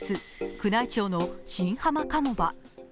宮内庁の新浜鴨場。